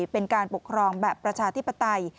เป็นการปกครองแบบประชาธิปไตย